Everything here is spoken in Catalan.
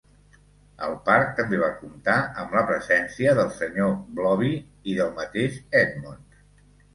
El parc també va comptar amb la presència del Sr. Blobby i del mateix Edmonds.